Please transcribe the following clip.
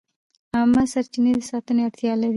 عامه سرچینې د ساتنې اړتیا لري.